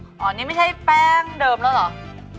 อันนี้ไม่ใช่แป้งเดิมแล้วเหรอ